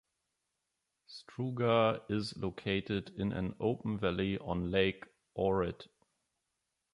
Struga is located in an open valley on Lake Ohrid.